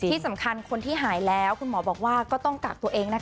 ที่สำคัญคนที่หายแล้วคุณหมอบอกว่าก็ต้องกักตัวเองนะคะ